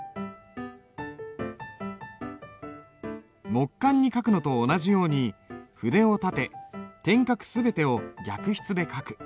木簡に書くのと同じように筆を立て点画すべてを逆筆で書く。